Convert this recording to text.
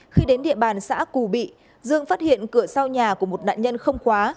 khi đến địa bàn xã cù bị dương phát hiện cửa sau nhà của một nạn nhân không khóa